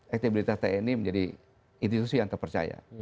elektabilitas tni menjadi institusi yang terpercaya